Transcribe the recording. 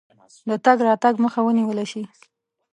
د تګ راتګ مخه ونیوله شي.